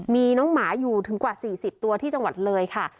มีน้องหมาอยู่ถึงกว่า๔๐ตัวที่จังหวัดเลยค่ะ